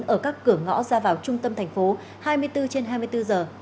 ở các cửa ngõ ra vào trung tâm tp hai mươi bốn trên hai mươi bốn giờ